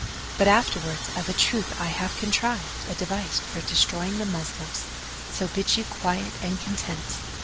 But afterwards, of a truth I have contrived a device for destroying the Moslems; so bide ye quiet and content.